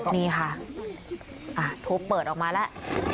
นี่ค่ะทุบเปิดออกมาแล้ว